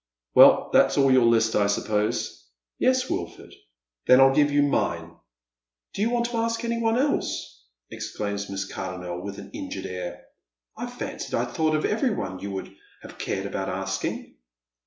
" Well, that's all your list, I suppose ?"♦« Yea, Wilford," 184 Dead Men's Shoe$. " Then I'll give you mine." Do you want to ask any one else?" exclaims Miss Cardonnel, with an injured air. " I fancied I had thought of every one j'ou would have cared about asking."